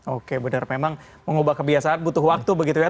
oke benar memang mengubah kebiasaan butuh waktu begitu ya